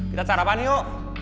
kita sarapan yuk